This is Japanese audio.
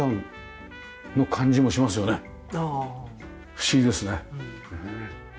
不思議ですね。